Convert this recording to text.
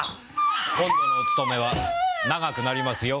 今度のお勤めは長くなりますよ。